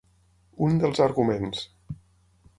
Un dels arguments.